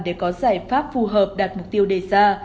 để có giải pháp phù hợp đạt mục tiêu đề ra